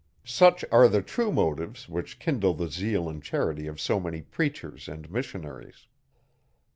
Such are the true motives, which kindle the zeal and charity of so many preachers and missionaries.